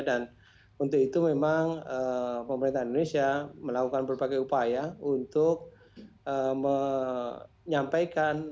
dan untuk itu memang pemerintahan indonesia melakukan berbagai upaya untuk menyampaikan